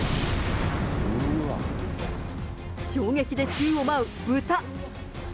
衝撃で宙を舞う豚。